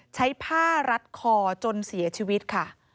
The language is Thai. ใช้ผ้ารัดคอจนเสียชีวิตค่ะ